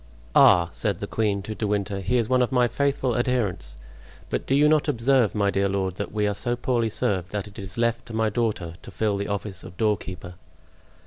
"Ah!" said the queen to De Winter, "he is one of my faithful adherents; but do you not observe, my dear lord, that we are so poorly served that it is left to my daughter to fill the office of doorkeeper?"